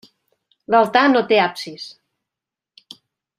L'altar no té absis.